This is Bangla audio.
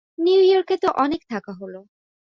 নিউইয়র্কে তো অনেক থাকা হলো।